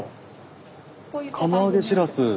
釜揚げしらす。